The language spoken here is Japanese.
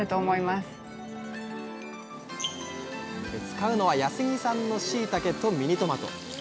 使うのは安来産のしいたけとミニトマト。